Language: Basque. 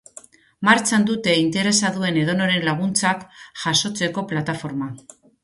Martxan dute interesa duen edonoren laguntzak jasotzeko plataforma.